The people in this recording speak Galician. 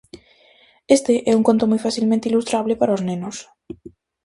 Este é un conto moi facilmente ilustrable para os nenos.